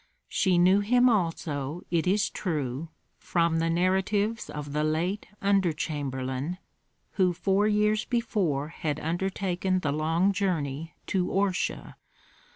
She knew him also, it is true, from the narratives of the late under chamberlain, who four years before had undertaken the long journey to Orsha.